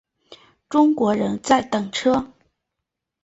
中国人在等车